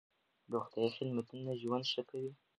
روغتيايي خدمتونه ژوند ښه کوي.